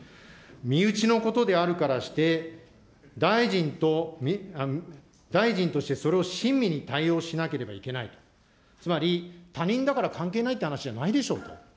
身内のことであるからして、大臣としてそれを親身に対応しなければいけないと、つまり、他人だから関係ないって話じゃないでしょうと。